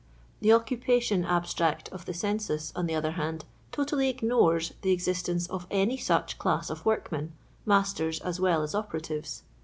The occupation abstract of the census, on the other hand, totally ignores the existence of any such chiss of workmen, masters as well as operatives.